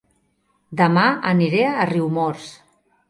Dema aniré a Riumors